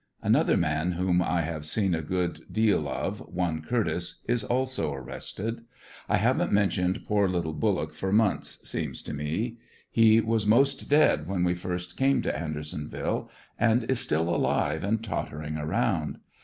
Another man whom I have seen a good deal of, one Curtiss, is also arrested. . I haven't men tioned poor little Bullock for months, seems to me. He was most dead when we first came to Andersonville, and is still alive and tottering around.